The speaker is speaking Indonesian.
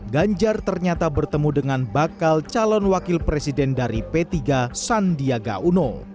ganjar ternyata bertemu dengan bakal calon wakil presiden dari p tiga sandiaga uno